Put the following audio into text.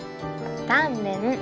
タンメン。